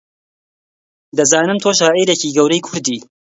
دەزانم تۆ شاعیرێکی گەورەی کوردی